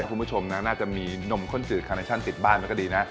คุณผู้ชมนะน่าจะมีนมข้นจืดคาเนชั่นติดบ้านมันก็ดีนะ